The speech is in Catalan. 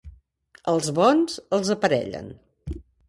Als bons els aparellen.